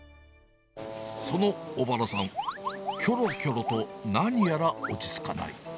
その小原さん、きょろきょろと、何やら落ち着かない。